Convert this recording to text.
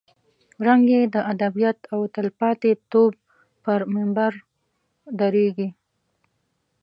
رنګ یې د ابدیت او تلپاتې توب پر منبر درېږي.